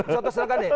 contoh sedangkan nih